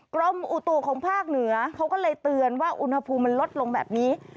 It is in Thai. กรมอุตุของภาคเหนือเขาก็เลยเตือนว่าอุณหภูมิมันลดลงแบบนี้